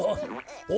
お！